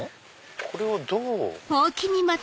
これをどう。